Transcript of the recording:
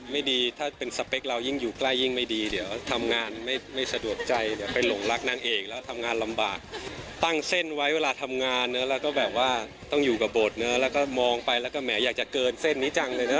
มาทำงานแล้วก็แบบว่าต้องอยู่กับบทแล้วก็มองไปแหมแหงจะเกินเส้นนิช์จังเลยเนอะ